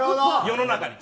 世の中に。